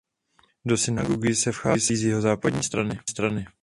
Do synagogy se vchází z jihozápadní strany.